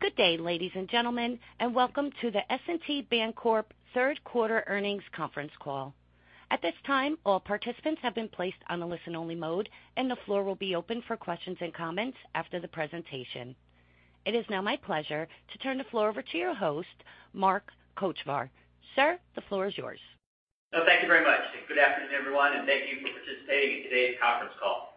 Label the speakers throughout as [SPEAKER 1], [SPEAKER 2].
[SPEAKER 1] Good day, ladies and gentlemen, and welcome to the S&T Bancorp third quarter earnings conference call. At this time, all participants have been placed on a listen only mode, and the floor will be open for questions and comments after the presentation. It is now my pleasure to turn the floor over to your host, Mark Kochvar. Sir, the floor is yours.
[SPEAKER 2] Thank you very much, and good afternoon, everyone, and thank you for participating in today's conference call.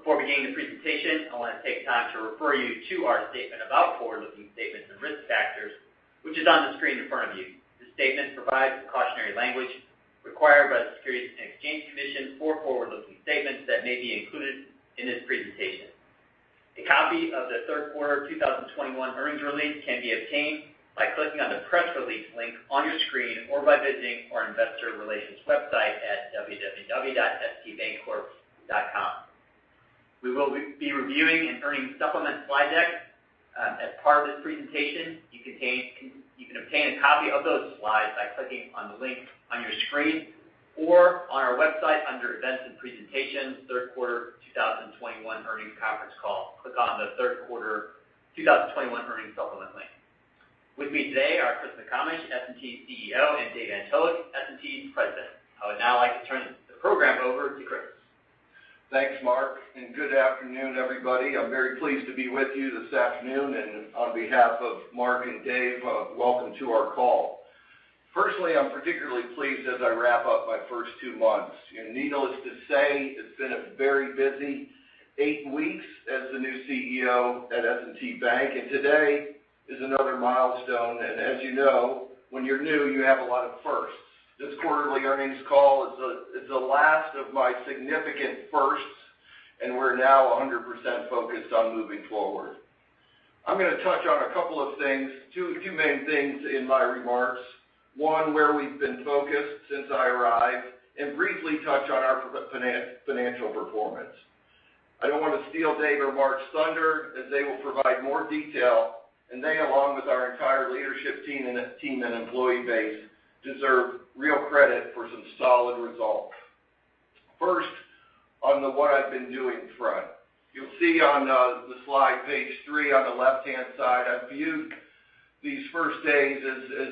[SPEAKER 2] Before beginning the presentation, I want to take time to refer you to our statement about forward-looking statements and risk factors, which is on the screen in front of you. This statement provides the cautionary language required by the Securities and Exchange Commission for forward-looking statements that may be included in this presentation. A copy of the third quarter 2021 earnings release can be obtained by clicking on the press release link on your screen or by visiting our investor relations website at www.stbancorp.com. We will be reviewing an earnings supplement slide deck as part of this presentation. You can obtain a copy of those slides by clicking on the link on your screen or on our website under Events and Presentations, Third Quarter 2021 Earnings Conference Call. Click on the Third Quarter 2021 Earnings Supplement link. With me today are Christopher McComish, S&T's CEO, and David Antolik, S&T's President. I would now like to turn the program over to Christopher.
[SPEAKER 3] Thanks, Mark. Good afternoon, everybody. I'm very pleased to be with you this afternoon, and on behalf of Mark and Dave, welcome to our call. Personally, I'm particularly pleased as I wrap up my first two months. Needless to say, it's been a very busy eight weeks as the new CEO at S&T Bank, and today is another milestone. As you know, when you're new, you have a lot of firsts. This quarterly earnings call is the last of my significant firsts, and we're now 100% focused on moving forward. I'm going to touch on a couple of things, two main things in my remarks. One, where we've been focused since I arrived, and briefly touch on our financial performance. I don't want to steal Dave or Mark's thunder, as they will provide more detail. They, along with our entire leadership team and employee base, deserve real credit for some solid results. First, on the what I've been doing front. You'll see on the slide, page three, on the left-hand side, I viewed these first days as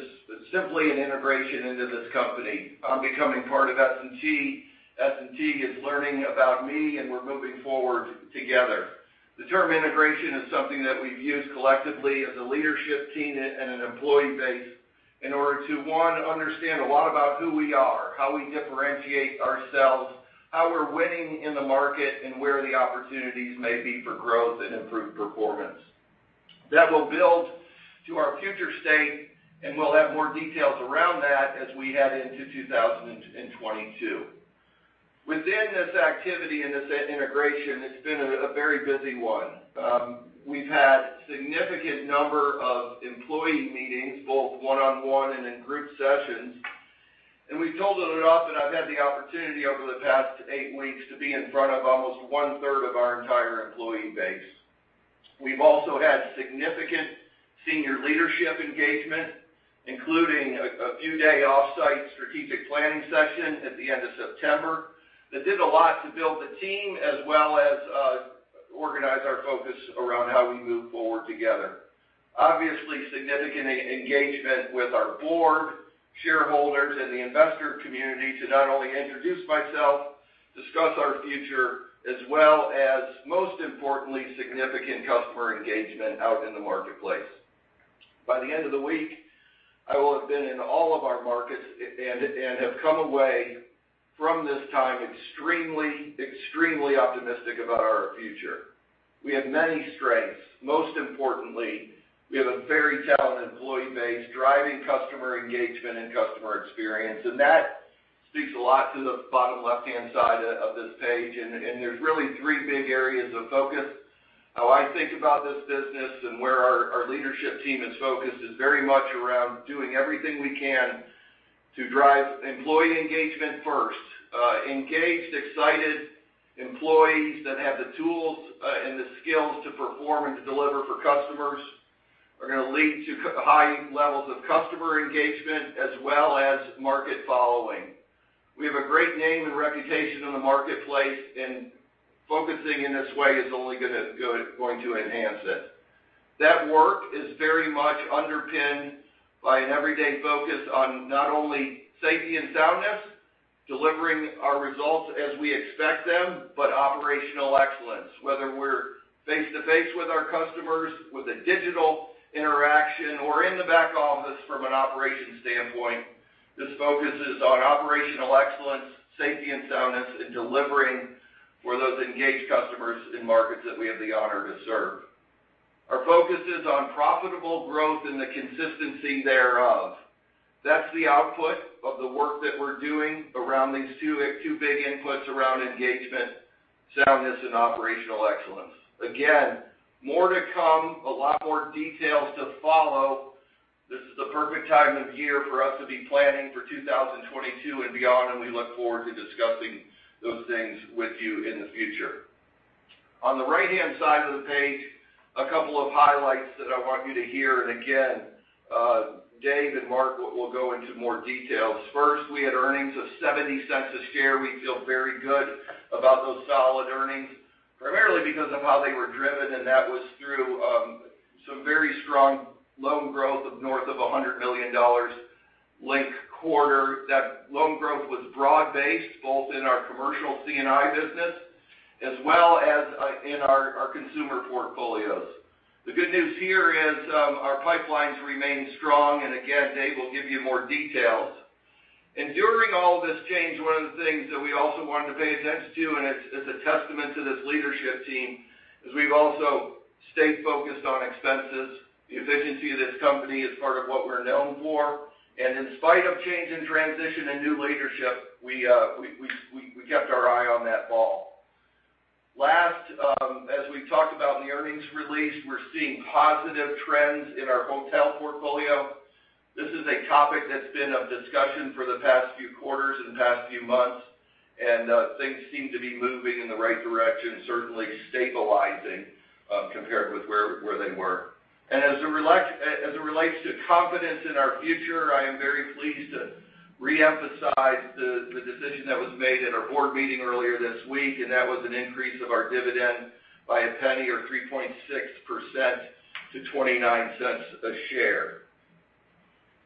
[SPEAKER 3] simply an integration into this company. I'm becoming part of S&T. S&T is learning about me, and we're moving forward together. The term integration is something that we've used collectively as a leadership team and an employee base in order to, one, understand a lot about who we are, how we differentiate ourselves, how we're winning in the market, and where the opportunities may be for growth and improved performance. That will build to our future state, and we'll have more details around that as we head into 2022. Within this activity and this integration, it's been a very busy one. We've had significant number of employee meetings, both one-on-one and in group sessions. We've totaled it up, and I've had the opportunity over the past eight weeks to be in front of almost one-third of our entire employee base. We've also had significant senior leadership engagement, including a few day off-site strategic planning session at the end of September that did a lot to build the team, as well as organize our focus around how we move forward together. Obviously, significant engagement with our board, shareholders, and the investor community to not only introduce myself, discuss our future, as well as, most importantly, significant customer engagement out in the marketplace. By the end of the week, I will have been in all of our markets and have come away from this time extremely optimistic about our future. We have many strengths. Most importantly, we have a very talented employee base driving customer engagement and customer experience, that speaks a lot to the bottom left-hand side of this page. There's really three big areas of focus. How I think about this business and where our leadership team is focused is very much around doing everything we can to drive employee engagement first. Engaged, excited employees that have the tools and the skills to perform and to deliver for customers are going to lead to high levels of customer engagement as well as market following. We have a great name and reputation in the marketplace, focusing in this way is only going to enhance it. That work is very much underpinned by an everyday focus on not only safety and soundness, delivering our results as we expect them, but operational excellence. Whether we're face-to-face with our customers, with a digital interaction, or in the back office from an operations standpoint, this focus is on operational excellence, safety and soundness, and delivering for those engaged customers in markets that we have the honor to serve. Our focus is on profitable growth and the consistency thereof. That's the output of the work that we're doing around these two big inputs around engagement, soundness, and operational excellence. Again, more to come, a lot more details to follow. This is the perfect time of year for us to be planning for 2022 and beyond, and we look forward to discussing those things with you in the future. On the right-hand side of the page. A couple of highlights that I want you to hear. Again, Dave and Mark will go into more details. First, we had earnings of $0.70 a share. We feel very good about those solid earnings, primarily because of how they were driven, and that was through some very strong loan growth of north of $100 million linked quarter. That loan growth was broad-based, both in our commercial C&I business as well as in our consumer portfolios. The good news here is our pipelines remain strong, and again, Dave will give you more details. During all of this change, one of the things that we also wanted to pay attention to, and it's a testament to this leadership team, is we've also stayed focused on expenses. The efficiency of this company is part of what we're known for. In spite of change in transition and new leadership, we kept our eye on that ball. Last, as we talked about in the earnings release, we're seeing positive trends in our hotel portfolio. This is a topic that's been of discussion for the past few quarters and the past few months, things seem to be moving in the right direction, certainly stabilizing, compared with where they were. As it relates to confidence in our future, I am very pleased to reemphasize the decision that was made at our board meeting earlier this week. That was an increase of our dividend by $0.01 or 3.6% to $0.29 a share.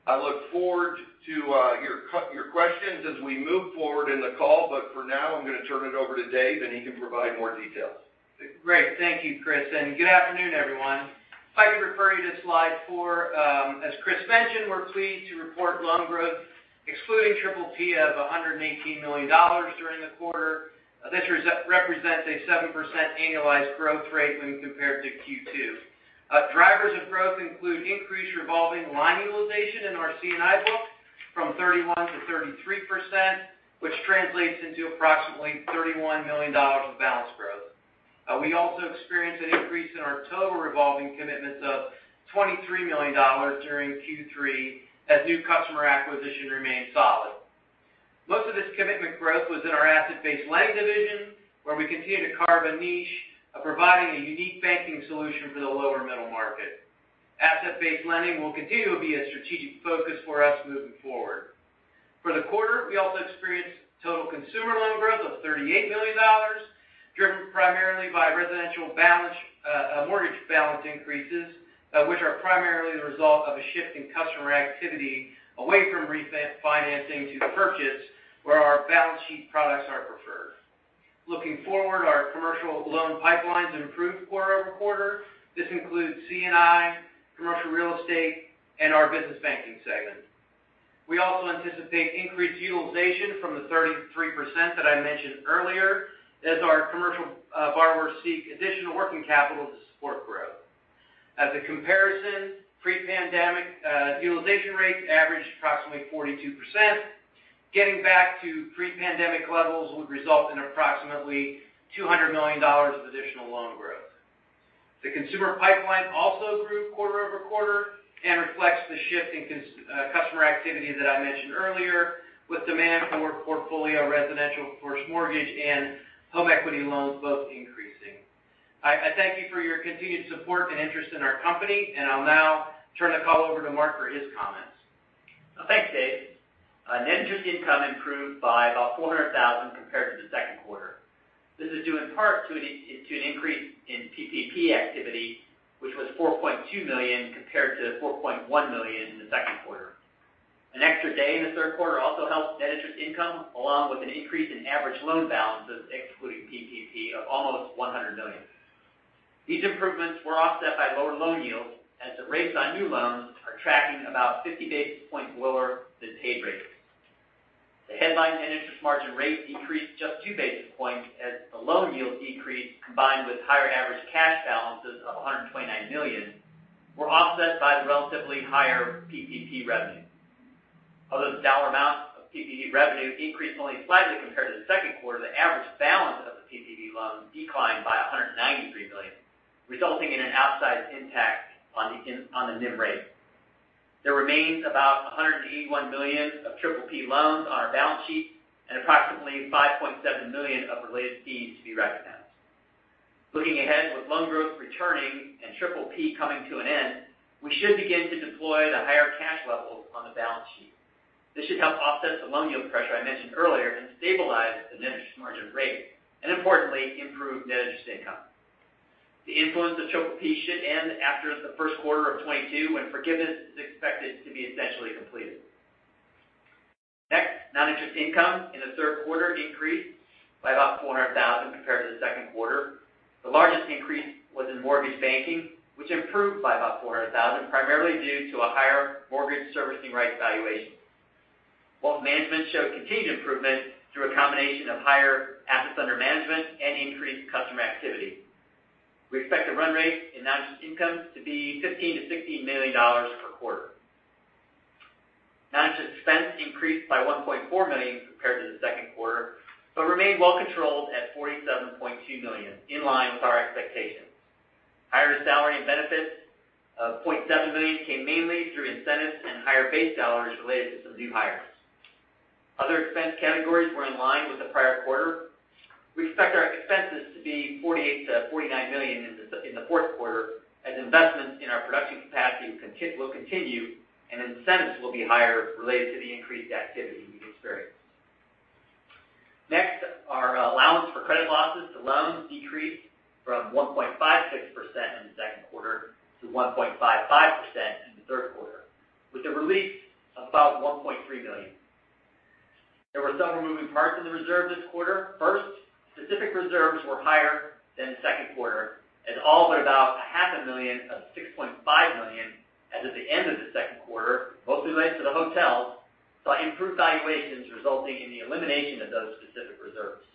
[SPEAKER 3] I look forward to your questions as we move forward in the call, but for now, I'm going to turn it over to Dave, and he can provide more details.
[SPEAKER 4] Great. Thank you, Chris. Good afternoon, everyone. If I could refer you to slide four. As Chris mentioned, we're pleased to report loan growth excluding PPP of $118 million during the quarter. This represents a 7% annualized growth rate when compared to Q2. Drivers of growth include increased revolving line utilization in our C&I book from 31% to 33%, which translates into approximately $31 million of balance growth. We also experienced an increase in our total revolving commitments of $23 million during Q3 as new customer acquisition remained solid. Most of this commitment growth was in our asset-based lending division, where we continue to carve a niche of providing a unique banking solution for the lower middle market. Asset-based lending will continue to be a strategic focus for us moving forward. For the quarter, we also experienced total consumer loan growth of $38 million, driven primarily by residential mortgage balance increases, which are primarily the result of a shift in customer activity away from refinancing to purchase, where our balance sheet products are preferred. Looking forward, our commercial loan pipelines improved quarter-over-quarter. This includes C&I, commercial real estate, and our business banking segment. We also anticipate increased utilization from the 33% that I mentioned earlier as our commercial borrowers seek additional working capital to support growth. As a comparison, pre-pandemic utilization rates averaged approximately 42%. Getting back to pre-pandemic levels would result in approximately $200 million of additional loan growth. The consumer pipeline also grew quarter-over-quarter and reflects the shift in customer activity that I mentioned earlier with demand for portfolio residential first mortgage and home equity loans both increasing. I thank you for your continued support and interest in our company. I'll now turn the call over to Mark for his comments.
[SPEAKER 2] Thanks, Dave. Net interest income improved by about $400,000 compared to the second quarter. This is due in part to an increase in PPP activity, which was $4.2 million compared to $4.1 million in the second quarter. An extra day in the third quarter also helped net interest income, along with an increase in average loan balances, excluding PPP, of almost $100 million. These improvements were offset by lower loan yields as the rates on new loans are tracking about 50 basis points lower than paid rates. The headline net interest margin rate decreased just two basis points as the loan yield decrease, combined with higher average cash balances of $129 million, were offset by the relatively higher PPP revenue. Although the dollar amount of PPP revenue increased only slightly compared to the second quarter, the average balance of the PPP loan declined by $193 million, resulting in an outsized impact on the NIM rate. There remains about $181 million of PPP loans on our balance sheet and approximately $5.7 million of related fees to be recognized. Looking ahead, with loan growth returning and PPP coming to an end, we should begin to deploy the higher cash levels on the balance sheet. This should help offset the loan yield pressure I mentioned earlier and stabilize the net interest margin rate, and importantly, improve net interest income. The influence of PPP should end after the first quarter of 2022, when forgiveness is expected to be essentially completed. Next, non-interest income in the third quarter increased by about $400,000 compared to the second quarter. The largest increase was in mortgage banking, which improved by about $400,000, primarily due to a higher mortgage servicing rights valuation. Wealth management showed continued improvement through a combination of higher assets under management and increased customer activity. We expect the run rate in non-interest income to be $15 million-$16 million per quarter. Non-interest expense increased by $1.4 million compared to the second quarter, but remained well controlled at $47.2 million, in line with our expectations. Higher salaries in benefit of $0.7 million came mainly through incentives and higher base dollars related to some new hires. Other expense categories were in line with the prior quarter. We expect our expenses to be $48 million-$49 million in the fourth quarter as investments in our production capacity will continue, and incentives will be higher related to the increased activity we've experienced. Next, our allowance for credit losses to loans decreased from 1.56% in the second quarter to 1.55% in the third quarter, with a release of about $1.3 million. There were some moving parts in the reserve this quarter. First, specific reserves were higher than the second quarter as all but about a half a million of $6.5 million as of the end of the second quarter, mostly related to the hotels, saw improved valuations resulting in the elimination of those specific reserves.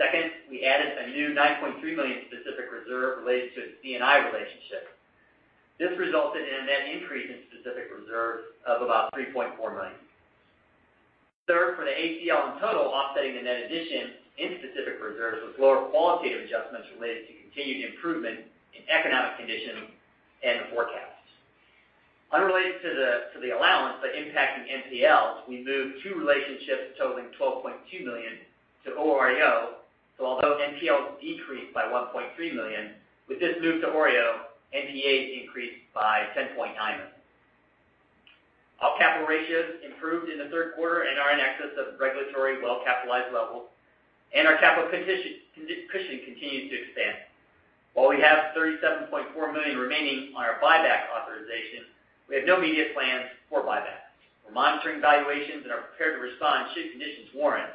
[SPEAKER 2] Second, we added a new $9.3 million specific reserve related to a C&I relationship. This resulted in a net increase in specific reserves of about $3.4 million. Third, for the ACL in total, offsetting the net addition in specific reserves was lower qualitative adjustments related to continued improvement in economic conditions and forecasts. Unrelated to the allowance but impacting NPLs, we moved two relationships totaling $12.2 million to OREO. Although NPLs decreased by $1.3 million, with this move to OREO, NPAs increased by $10.9 million. All capital ratios improved in the third quarter and are in excess of regulatory well-capitalized levels, and our capital cushion continues to expand. While we have $37.4 million remaining on our buyback authorization, we have no immediate plans for buybacks. We're monitoring valuations and are prepared to respond should conditions warrant.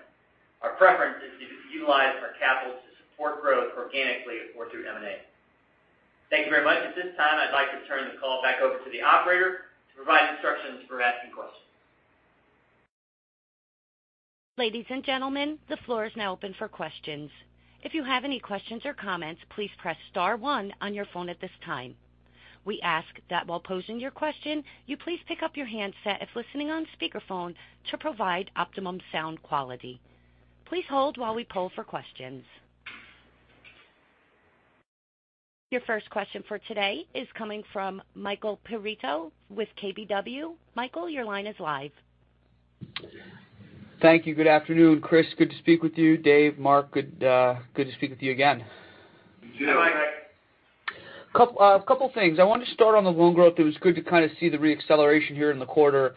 [SPEAKER 2] Our preference is to utilize our capital to support growth organically or through M&A. Thank you very much. At this time, I'd like to turn the call back over to the operator to provide instructions for asking questions.
[SPEAKER 1] Ladies and gentlemen, the floor is now open for questions. If you have any questions or comments, please press star one on your phone at this time. We ask that while posing your question, you please pick up your handset if listening on speakerphone to provide optimum sound quality. Please hold while we poll for questions. Your first question for today is coming from Michael Perito with KBW. Michael, your line is live.
[SPEAKER 5] Thank you. Good afternoon. Chris, good to speak with you. Dave, Mark, good to speak with you again.
[SPEAKER 3] You, too.
[SPEAKER 2] Hi, Michael.
[SPEAKER 5] A couple things. I wanted to start on the loan growth. It was good to kind of see the re-acceleration here in the quarter.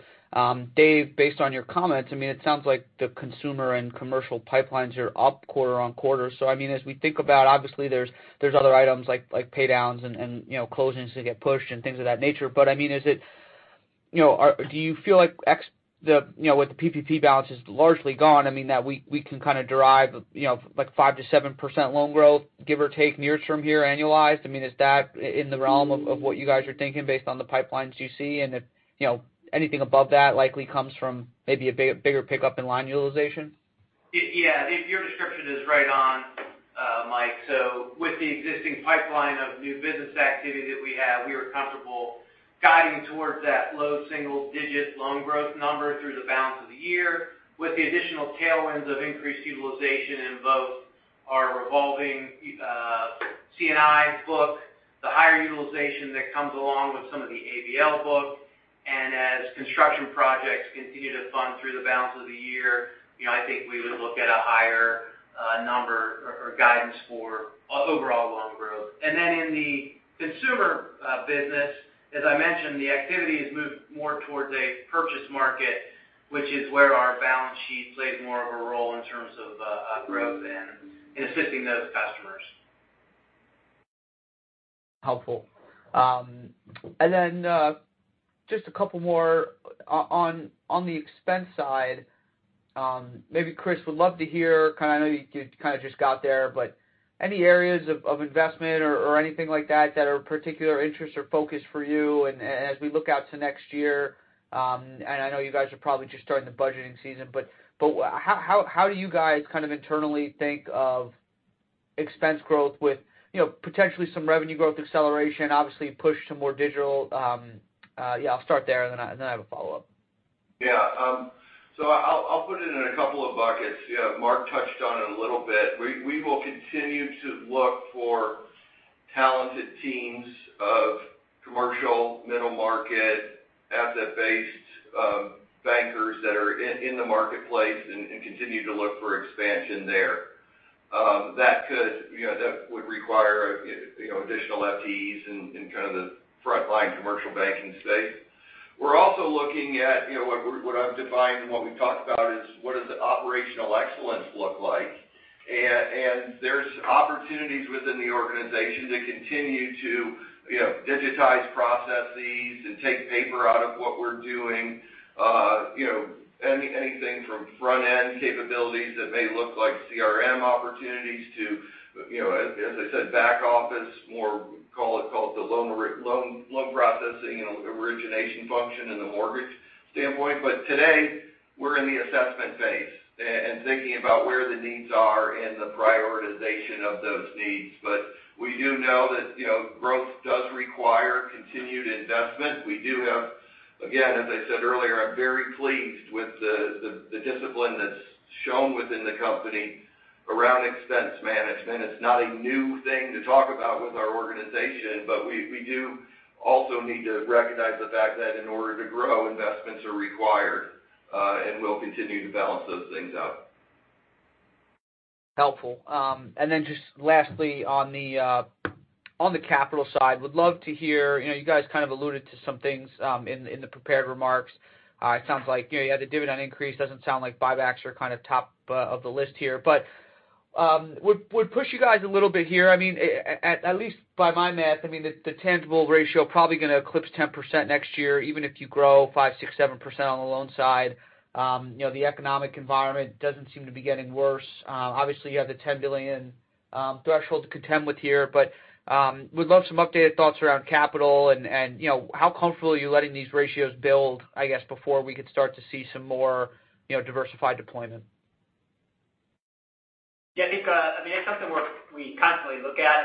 [SPEAKER 5] Dave, based on your comments, it sounds like the consumer and commercial pipelines are up quarter-on-quarter. As we think about, obviously, there's other items like pay downs and closings that get pushed and things of that nature. Do you feel like with the PPP balances largely gone, that we can kind of derive 5%-7% loan growth, give or take near-term here, annualized? Is that in the realm of what you guys are thinking based on the pipelines you see, and if anything above that likely comes from maybe a bigger pickup in line utilization?
[SPEAKER 4] Yeah. Your description is right on, Michael. With the existing pipeline of new business activity that we have, we are comfortable guiding towards that low single-digit loan growth number through the balance of the year with the additional tailwinds of increased utilization in both our revolving C&I book, the higher utilization that comes along with some of the ABL book, and as construction projects continue to fund through the balance of the year, I think we would look at a higher number or guidance for overall loan growth. In the consumer business, as I mentioned, the activity has moved more towards a purchase market, which is where our balance sheet plays more of a role in terms of growth and in assisting those customers.
[SPEAKER 5] Helpful. Just a couple more on the expense side. Maybe Chris, would love to hear, I know you kind of just got there, but any areas of investment or anything like that that are of particular interest or focus for you as we look out to next year? I know you guys are probably just starting the budgeting season, but how do you guys kind of internally think of expense growth with potentially some revenue growth acceleration, obviously push to more digital? Yeah, I'll start there, and then I have a follow-up.
[SPEAKER 3] Yeah. I'll put it in a couple of buckets. Mark touched on it a little bit. We will continue to look for talented teams of commercial middle-market asset-based bankers that are in the marketplace and continue to look for expansion there. That would require additional FTEs in kind of the frontline commercial banking space. We're also looking at what I've defined and what we've talked about is what does the operational excellence look like? There's opportunities within the organization to continue to digitize processes and take paper out of what we're doing. Anything from front-end capabilities that may look like CRM opportunities to, as I said, back office, more call it the loan processing and origination function in the mortgage standpoint. Today, we're in the assessment phase and thinking about where the needs are and the prioritization of those needs. We do know that growth does require continued investment. We do have, again, as I said earlier, I'm very pleased with the discipline that's shown within the company around expense management. It's not a new thing to talk about with our organization. We do also need to recognize the fact that in order to grow, investments are required. We'll continue to balance those things out.
[SPEAKER 5] Helpful. Lastly, on the capital side, would love to hear. You guys kind of alluded to some things in the prepared remarks. It sounds like you had the dividend increase. Doesn't sound like buybacks are kind of top of the list here, but would push you guys a little bit here. At least by my math, the tangible ratio probably going to eclipse 10% next year, even if you grow 5%, 6%, 7% on the loan side. The economic environment doesn't seem to be getting worse. Obviously, you have the $10 billion threshold to contend with here, but would love some updated thoughts around capital, and how comfortable are you letting these ratios build, I guess, before we could start to see some more diversified deployment?
[SPEAKER 2] I think it's something worth we constantly look at.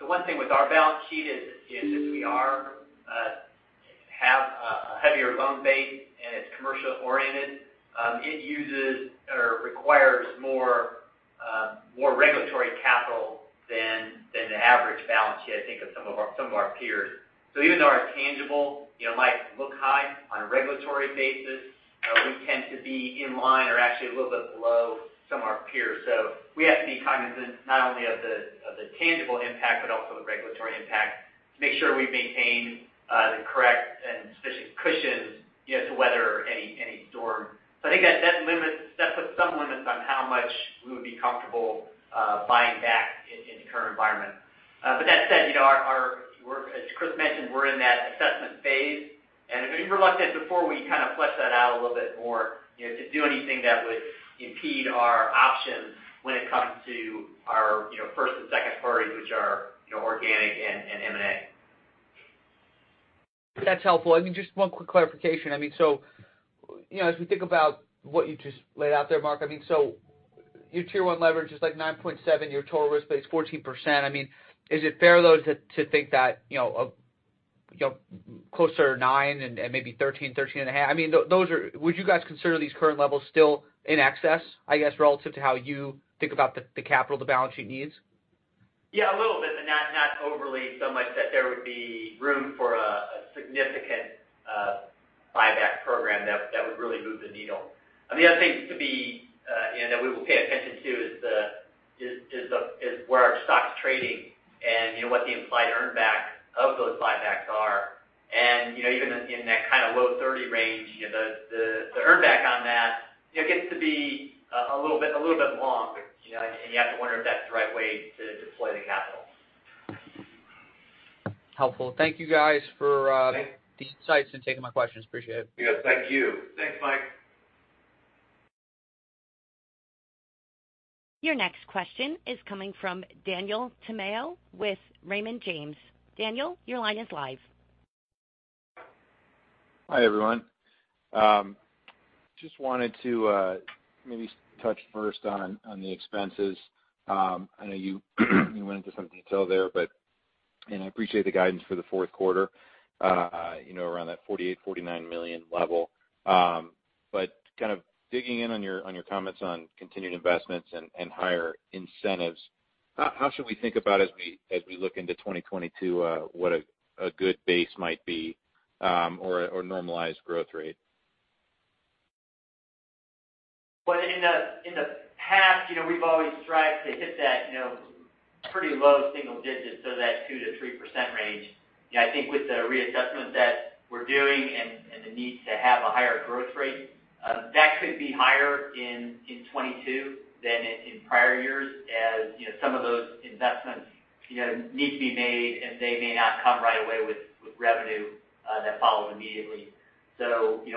[SPEAKER 2] The one thing with our balance sheet is since we have a heavier loan base and it's commercial oriented, it uses or requires more regulatory capital than the average balance sheet, I think, of some of our peers. Even though our tangible might look high on a regulatory basis, we tend to be in line or actually a little bit below some of our peers. We have to be cognizant not only of the tangible impact, but also the regulatory impact to make sure we maintain the correct and sufficient cushions to weather any storm. I think that puts some limits on how much we would be comfortable buying back in the current environment. That said, as Chris mentioned, we're in that assessment phase, and we're reluctant before we kind of flesh that out a little bit more to do anything that would impede our options when it comes to our first and second priorities, which are organic and M&A.
[SPEAKER 5] That's helpful. Just one quick clarification. As we think about what you just laid out there, Mark, so your Tier 1 leverage is like 9.7%, your total risk base 14%. Is it fair, though, to think that closer to 9 and maybe 13.5%? Would you guys consider these current levels still in excess, I guess, relative to how you think about the capital the balance sheet needs?
[SPEAKER 2] Yeah, a little bit, but not overly so much that there would be room for a significant buyback program that would really move the needle. The other thing that we will pay attention to is where our stock's trading and what the implied earn back of those buybacks are. Even in that kind of low 30 range, the earn back on that gets to be a little bit long, and you have to wonder if that's the right way to deploy the capital.
[SPEAKER 5] Helpful. Thank you guys for-
[SPEAKER 2] Thanks
[SPEAKER 5] the insights and taking my questions. Appreciate it.
[SPEAKER 3] Yes. Thank you.
[SPEAKER 2] Thanks, Mike.
[SPEAKER 1] Your next question is coming from Daniel Tamayo with Raymond James. Daniel, your line is live.
[SPEAKER 6] Hi, everyone. Just wanted to maybe touch first on the expenses. I know you went into some detail there, and I appreciate the guidance for the fourth quarter around that $48 million, $49 million level. Kind of digging in on your comments on continued investments and higher incentives, how should we think about as we look into 2022, what a good base might be or normalized growth rate?
[SPEAKER 2] Well, in the past, we've always strived to hit that pretty low single digits, so that 2%-3% range. I think with the reassessment that we're doing and the need to have a higher growth rate, that could be higher in 2022 than in prior years, as some of those investments need to be made, and they may not come right away with revenue that follows immediately.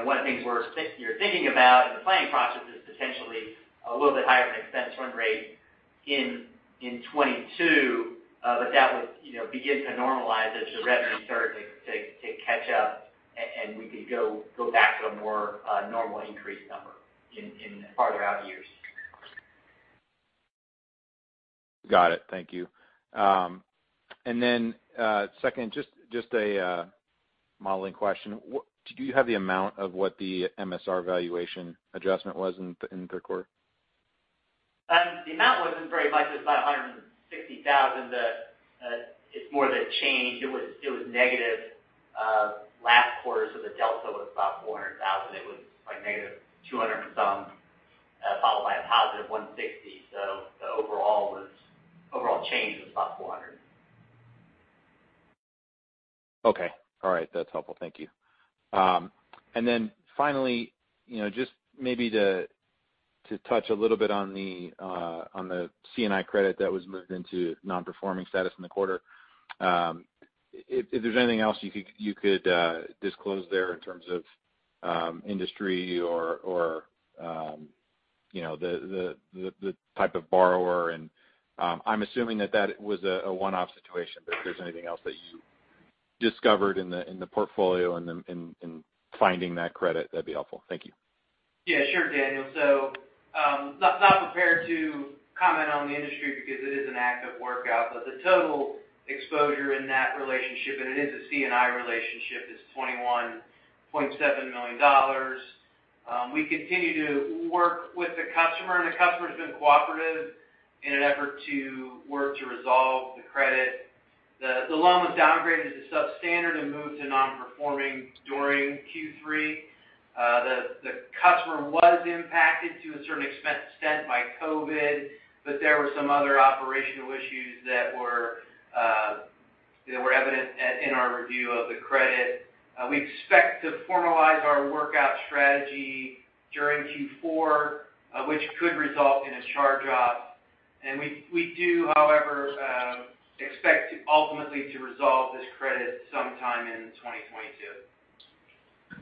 [SPEAKER 2] One of the things we're thinking about in the planning process is potentially a little bit higher of an expense run rate in 2022. That would begin to normalize as the revenue started to catch up, and we could go back to a more normal increase number in farther out years.
[SPEAKER 6] Got it. Thank you. Second, just a modeling question. Do you have the amount of what the MSR valuation adjustment was in the third quarter?
[SPEAKER 2] The amount wasn't very much. It was about $160,000. It's more the change. It was negative last quarter, so the delta was about $400,000. It was like negative $200 and some, followed by a positive $160,000. The overall change was about $400,000.
[SPEAKER 6] Okay. All right. That's helpful. Thank you. Then finally, just maybe to touch a little bit on the C&I credit that was moved into non-performing status in the quarter. If there's anything else you could disclose there in terms of industry or the type of borrower. I'm assuming that that was a one-off situation, but if there's anything else that you discovered in the portfolio in finding that credit, that'd be helpful. Thank you.
[SPEAKER 4] Yeah, sure, Daniel. Not prepared to comment on the industry because it is an active workout. The total exposure in that relationship, and it is a C&I relationship, is $21.7 million. We continue to work with the customer, and the customer's been cooperative in an effort to work to resolve the credit. The loan was downgraded to substandard and moved to non-performing during Q3. The customer was impacted to a certain extent by COVID, but there were some other operational issues that were evident in our review of the credit. We expect to formalize our workout strategy during Q4, which could result in a charge-off. We do, however, expect ultimately to resolve this credit sometime in 2022.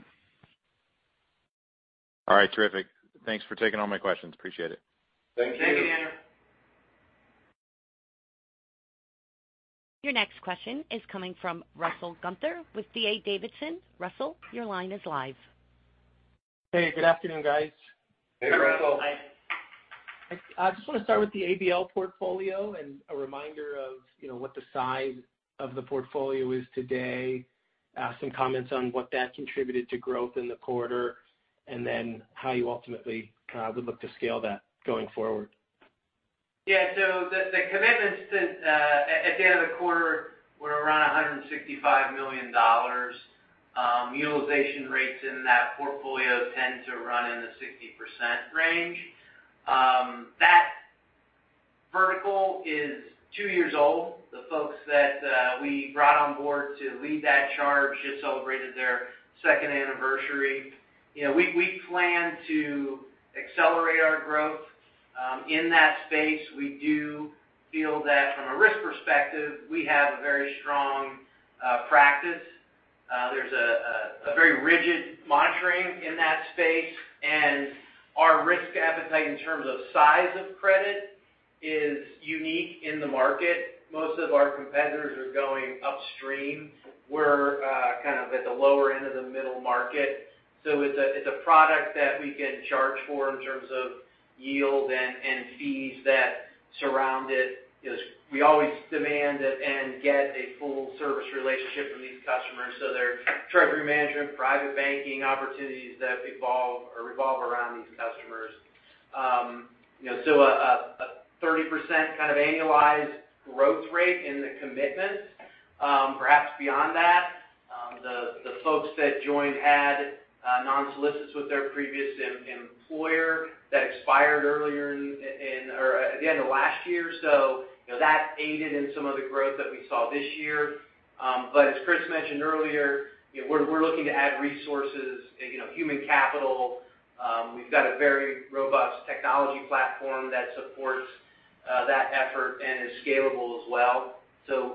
[SPEAKER 6] All right. Terrific. Thanks for taking all my questions. Appreciate it.
[SPEAKER 2] Thank you.
[SPEAKER 4] Thank you, Daniel Tamayo.
[SPEAKER 1] Your next question is coming from Russell Gunther with D.A. Davidson. Russell, your line is live.
[SPEAKER 7] Hey, good afternoon, guys.
[SPEAKER 4] Hey, Russell.
[SPEAKER 3] Hi.
[SPEAKER 7] I just want to start with the ABL portfolio and a reminder of what the size of the portfolio is today. Some comments on what that contributed to growth in the quarter, and then how you ultimately kind of would look to scale that going forward.
[SPEAKER 4] Yeah. The commitments at the end of the quarter were around $165 million. Utilization rates in that portfolio tend to run in the 60% range. That vertical is two years old. The folks that we brought on board to lead that charge just celebrated their second anniversary. We plan to accelerate our growth. In that space, we do feel that from a risk perspective, we have a very strong practice. There's a very rigid monitoring in that space, and our risk appetite in terms of size of credit is unique in the market. Most of our competitors are going upstream. We're kind of at the lower end of the middle market. It's a product that we can charge for in terms of yield and fees that surround it. We always demand and get a full-service relationship from these customers. There are treasury management, private banking opportunities that revolve around these customers. A 30% kind of annualized growth rate in the commitments. Perhaps beyond that, the folks that joined had non-solicits with their previous employer that expired earlier at the end of last year. That aided in some of the growth that we saw this year. As Chris mentioned earlier, we're looking to add resources, human capital. We've got a very robust technology platform that supports that effort and is scalable as well.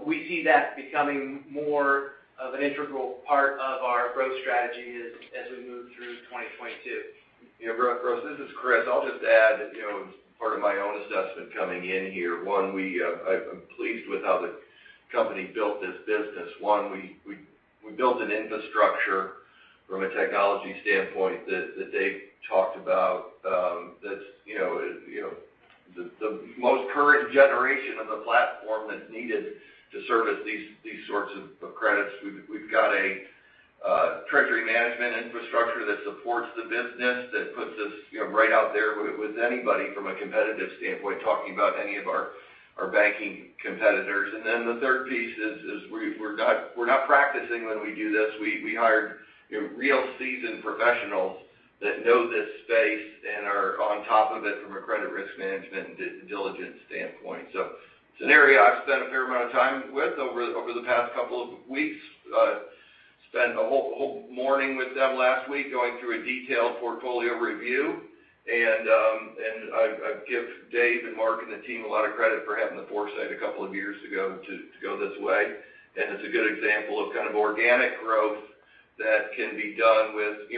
[SPEAKER 4] We see that becoming more of an integral part of our growth strategy as we move through 2022.
[SPEAKER 3] Yeah, Russell, this is Chris. I'll just add as part of my own assessment coming in here. One, I'm pleased with how the company built this business. One, we built an infrastructure from a technology standpoint that Dave talked about, the most current generation of the platform that's needed to service these sorts of credits. We've got a treasury management infrastructure that supports the business, that puts us right out there with anybody from a competitive standpoint, talking about any of our banking competitors. The third piece is we're not practicing when we do this. We hired real seasoned professionals that know this space and are on top of it from a credit risk management and due diligence standpoint. It's an area I've spent a fair amount of time with over the past couple of weeks. Spent a whole morning with them last week going through a detailed portfolio review. I give Dave and Mark and the team a lot of credit for having the foresight a couple of years ago to go this way. It's a good example of kind of organic growth that can be done with,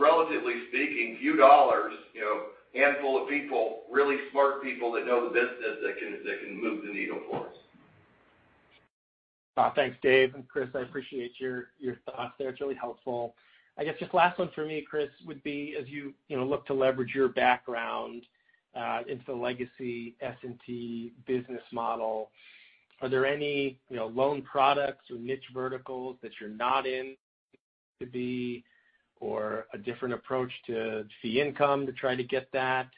[SPEAKER 3] relatively speaking, few dollars, handful of people, really smart people that know the business that can move the needle for us.
[SPEAKER 7] Thanks, Dave and Chris. I appreciate your thoughts there. It's really helpful. I guess just last one for me, Chris, would be, as you look to leverage your background into the legacy S&T business model, are there any loan products or niche verticals that you're not in, could be, or a different approach to fee income to try to get that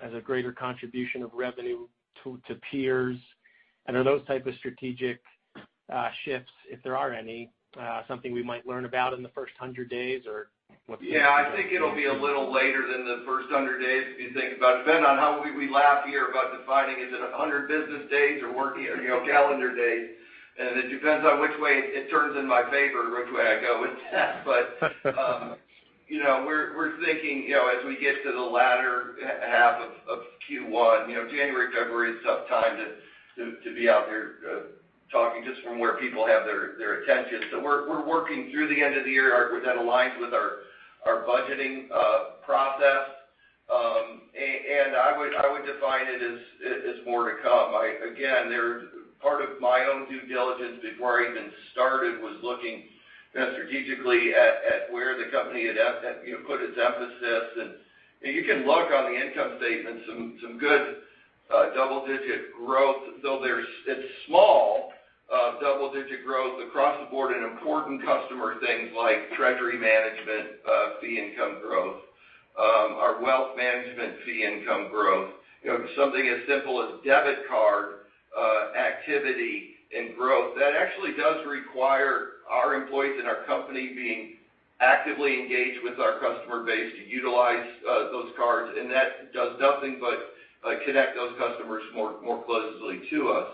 [SPEAKER 7] as a greater contribution of revenue to peers? Are those type of strategic shifts, if there are any, something we might learn about in the first 100 days or what?
[SPEAKER 3] Yeah, I think it'll be a little later than the first 100 days, if you think about it. Depending on how we laugh here about defining is it 100 business days or working calendar days. It depends on which way it turns in my favor, which way I go with that. We're thinking as we get to the latter half of Q1. January, February is a tough time to be out here talking, just from where people have their attention. We're working through the end of the year. That aligns with our budgeting process. I would define it as more. Again, part of my own due diligence before I even started was looking strategically at where the company had put its emphasis. You can look on the income statement, some good double-digit growth, though it's small double-digit growth across the board in important customer things like treasury management fee income growth, our wealth management fee income growth. Something as simple as debit card activity and growth. That actually does require our employees and our company being actively engaged with our customer base to utilize those cards. That does nothing but connect those customers more closely to us.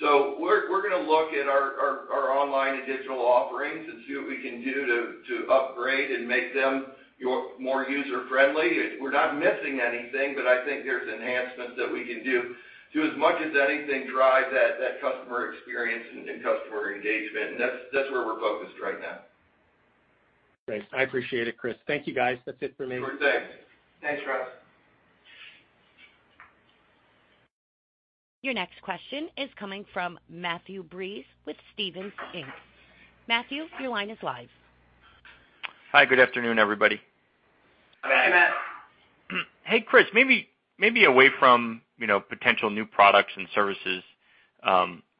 [SPEAKER 3] We're going to look at our online and digital offerings and see what we can do to upgrade and make them more user-friendly. We're not missing anything, but I think there's enhancements that we can do to, as much as anything, drive that customer experience and customer engagement. That's where we're focused right now.
[SPEAKER 7] Great. I appreciate it, Chris. Thank you, guys. That's it for me.
[SPEAKER 3] Sure thing.
[SPEAKER 2] Thanks, Russell.
[SPEAKER 1] Your next question is coming from Matthew Breese with Stephens Inc. Matthew, your line is live.
[SPEAKER 8] Hi, good afternoon, everybody.
[SPEAKER 3] Hey.
[SPEAKER 2] Hey, Matt.
[SPEAKER 8] Hey, Chris, maybe away from potential new products and services,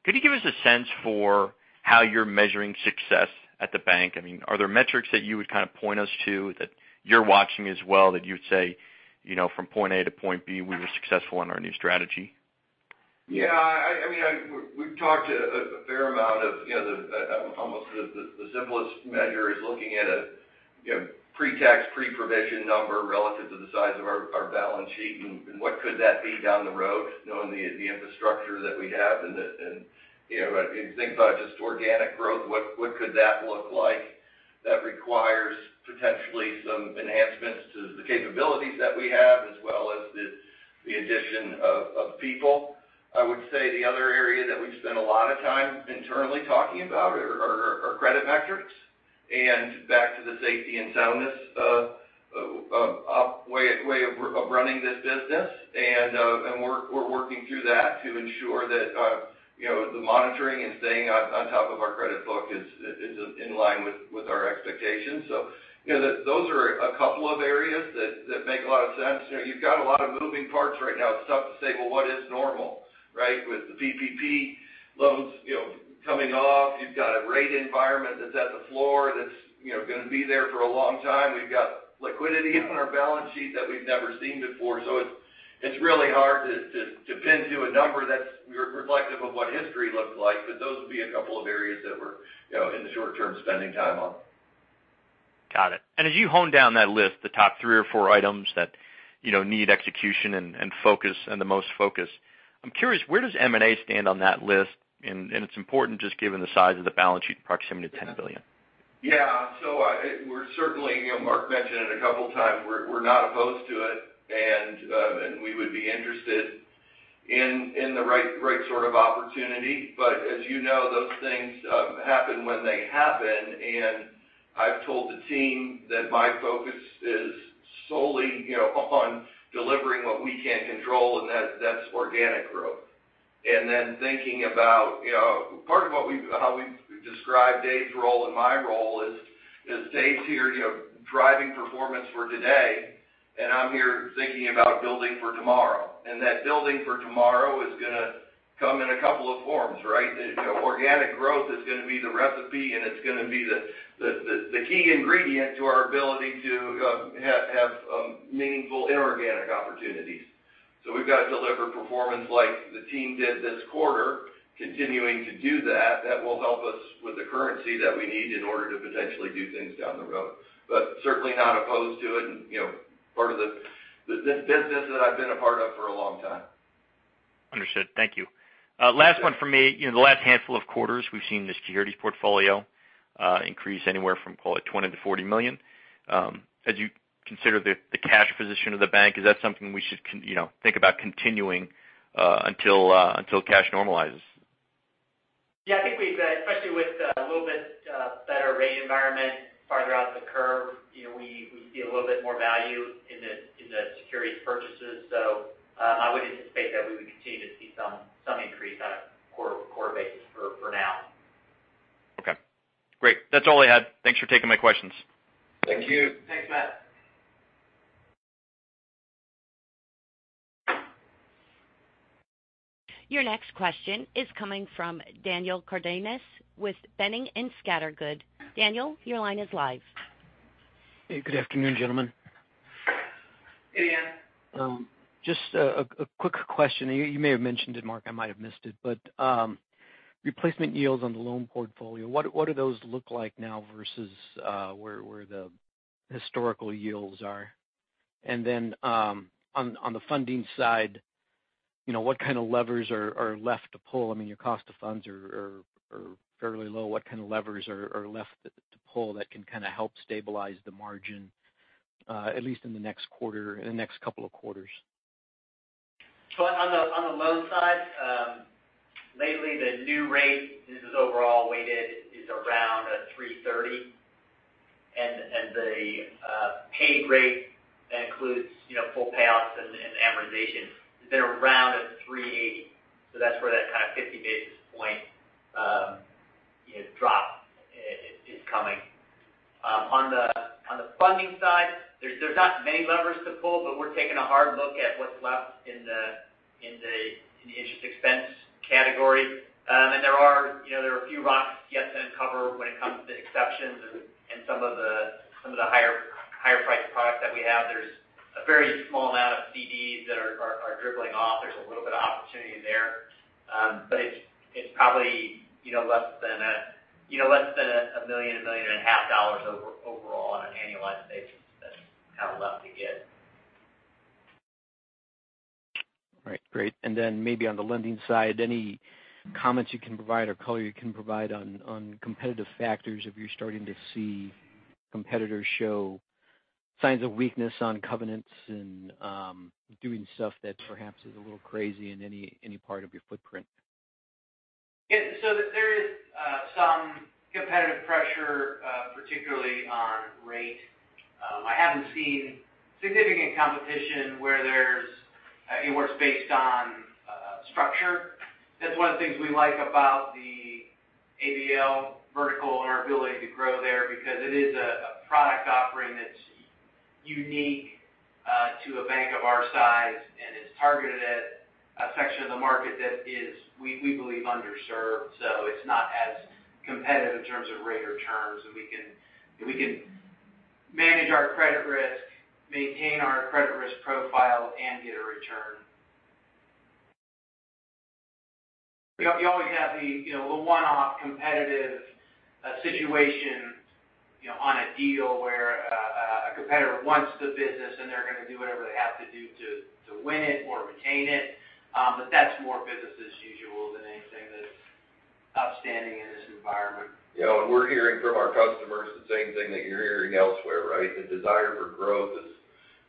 [SPEAKER 8] could you give us a sense for how you're measuring success at the bank? Are there metrics that you would point us to that you're watching as well, that you would say, from point A to point B, we were successful in our new strategy?
[SPEAKER 3] Yeah. We've talked a fair amount of almost the simplest measure is looking at a pre-tax, pre-provision number relative to the size of our balance sheet and what could that be down the road, knowing the infrastructure that we have. If you think about it, just organic growth, what could that look like? That requires potentially some enhancements to the capabilities that we have, as well as the addition of people. I would say the other area that we've spent a lot of time internally talking about are our credit metrics. Back to the safety and soundness way of running this business. We're working through that to ensure that the monitoring and staying on top of our credit book is in line with our expectations. Those are a couple of areas that make a lot of sense. You've got a lot of moving parts right now. It's tough to say, well, what is normal, right? With the PPP loans coming off. You've got a rate environment that's at the floor that's going to be there for a long time. We've got liquidity on our balance sheet that we've never seen before. It's really hard to pin to a number that's reflective of what history looked like, but those would be a couple of areas that we're in the short term spending time on.
[SPEAKER 8] Got it. As you hone down that list, the top three or four items that need execution and the most focus. I'm curious, where does M&A stand on that list? It's important just given the size of the balance sheet, proximity to $10 billion.
[SPEAKER 3] Yeah. We're certainly, Mark mentioned it a couple times, we're not opposed to it. We would be interested in the right sort of opportunity. As you know, those things happen when they happen. I've told the team that my focus is solely on delivering what we can control, and that's organic growth. Thinking about part of how we've described Dave's role and my role is Dave's here driving performance for today, and I'm here thinking about building for tomorrow. That building for tomorrow is going to come in a couple of forms, right? Organic growth is going to be the recipe, and it's going to be the key ingredient to our ability to have meaningful inorganic opportunities. We've got to deliver performance like the team did this quarter, continuing to do that. That will help us with the currency that we need in order to potentially do things down the road. Certainly not opposed to it. Part of the business that I've been a part of for a long time.
[SPEAKER 8] Understood. Thank you. Last one from me. The last handful of quarters we've seen the securities portfolio increase anywhere from, call it, $20 million-$40 million. As you consider the cash position of the bank, is that something we should think about continuing until cash normalizes?
[SPEAKER 2] Yeah, I think especially with a little bit better rate environment farther out the curve, we see a little bit more value in the securities purchases. I would anticipate that we would continue to see some increase on a core basis for now.
[SPEAKER 8] Okay, great. That's all I had. Thanks for taking my questions.
[SPEAKER 3] Thank you.
[SPEAKER 2] Thanks, Matt.
[SPEAKER 1] Your next question is coming from Dan Cardenas with Boenning & Scattergood. Daniel, your line is live.
[SPEAKER 9] Hey, good afternoon, gentlemen.
[SPEAKER 3] Hey, Dan.
[SPEAKER 9] Just a quick question. You may have mentioned it, Mark, I might have missed it, replacement yields on the loan portfolio, what do those look like now versus where the historical yields are? On the funding side, what kind of levers are left to pull? Your cost of funds are fairly low. What kind of levers are left to pull that can help stabilize the margin, at least in the next couple of quarters?
[SPEAKER 2] On the loan side, lately the new rate, this is overall weighted, is around 330. And the pay rate that includes full payoffs and amortization has been around 380. That's where that kind of 50 basis point drop is coming. On the funding side, there's not many levers to pull, but we're taking a hard look at what's left in the interest expense category. There are a few rocks yet to uncover when it comes to exceptions and some of the higher priced products that we have. There's a very small amount of CDs that are dribbling off. There's a little bit of opportunity there. It's probably less than $1 million, $1.5 million overall on an annualized basis that's kind of left to get.
[SPEAKER 9] Right. Great. Maybe on the lending side, any comments you can provide or color you can provide on competitive factors if you're starting to see competitors show signs of weakness on covenants and doing stuff that perhaps is a little crazy in any part of your footprint?
[SPEAKER 4] There is some competitive pressure, particularly on rate. I haven't seen significant competition where it works based on structure. That's one of the things we like about the ABL vertical and our ability to grow there because it is a product offering that's unique to a bank of our size, and it's targeted at a section of the market that is, we believe, underserved. It's not as competitive in terms of rate or terms, and we can manage our credit risk, maintain our credit risk profile, and get a return. You always have the little one-off competitive situation on a deal where a competitor wants the business, and they're going to do whatever they have to do to win it or retain it. That's more business as usual than anything that's outstanding in this environment.
[SPEAKER 3] We're hearing from our customers the same thing that you're hearing elsewhere, right? The desire for growth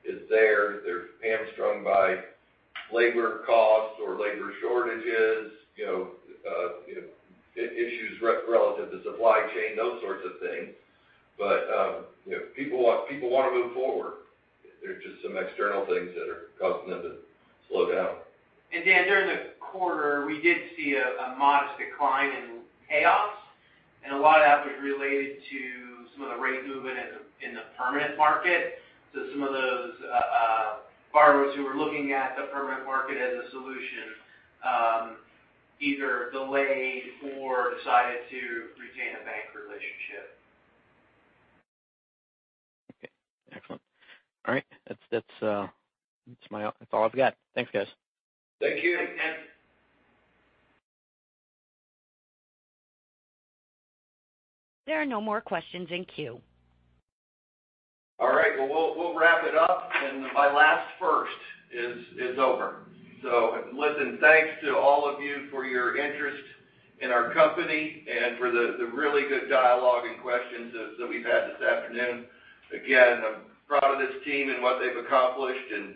[SPEAKER 3] is there. They're hamstrung by labor costs or labor shortages, issues relative to supply chain, those sorts of things. People want to move forward. There's just some external things that are causing them to slow down.
[SPEAKER 4] Dan, during the quarter, we did see a modest decline in payoffs. A lot of that was related to some of the rate movement in the permanent market. Some of those borrowers who were looking at the permanent market as a solution either delayed or decided to retain a bank relationship.
[SPEAKER 9] Okay. Excellent. All right. That's all I've got. Thanks, guys.
[SPEAKER 3] Thank you.
[SPEAKER 2] Thank you.
[SPEAKER 1] There are no more questions in queue.
[SPEAKER 3] All right. Well, we'll wrap it up, and my last first is over. Listen, thanks to all of you for your interest in our company and for the really good dialogue and questions that we've had this afternoon. Again, I'm proud of this team and what they've accomplished, and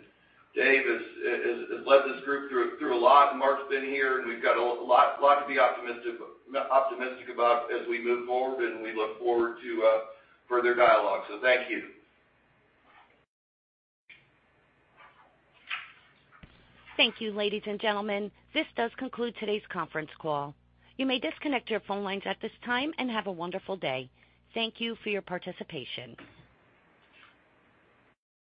[SPEAKER 3] Dave has led this group through a lot, and Mark's been here, and we've got a lot to be optimistic about as we move forward, and we look forward to further dialogue. Thank you.
[SPEAKER 1] Thank you, ladies and gentlemen. This does conclude today's conference call. You may disconnect your phone lines at this time, and have a wonderful day. Thank you for your participation.